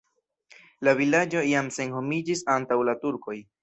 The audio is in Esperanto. La vilaĝo jam senhomiĝis antaŭ la turkoj.